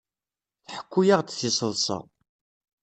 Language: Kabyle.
Tḥekku-aɣ-d tiseḍsa.